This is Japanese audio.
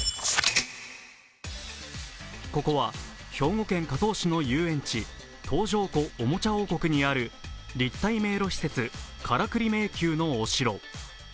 ここは兵庫県加東市の遊園地、東条湖おもちゃ王国にある立体迷路施設、カラクリ迷宮のお城。